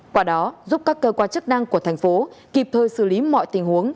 quả đó giúp các cơ quan chức năng của thành phố kịp thời xử lý mọi tình huống